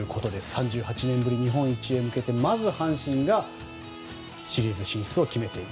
３８年ぶり日本一へ向けてまず阪神がシリーズ進出を決めている。